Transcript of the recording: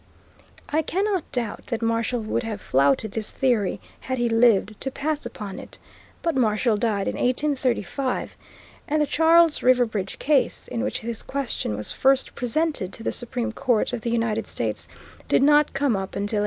I cannot doubt that Marshall would have flouted this theory had he lived to pass upon it, but Marshall died in 1835, and the Charles River Bridge Case, in which this question was first presented to the Supreme Court of the United States, did not come up until 1837.